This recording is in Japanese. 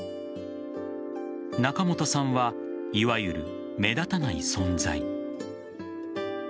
仲本さんはいわゆる目立たない存在。